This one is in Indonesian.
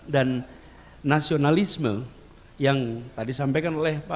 dan nasionalisme yang tadi sampaikan oleh pak surya paloh